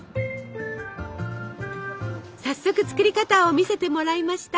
早速作り方を見せてもらいました。